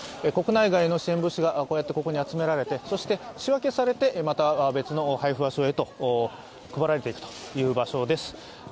国内外の支援物資がこうやってここに集められてそして仕分けされて、また別の配布場所へと配られていくという場所です。